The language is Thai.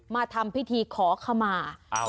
มาทำพิธีขอขมา